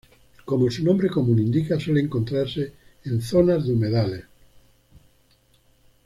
Como su nombre común indica suele encontrase en zonas de humedales.